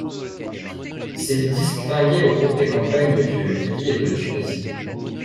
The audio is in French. S'est distingué au cours des campagnes de Libye et de Tunisie.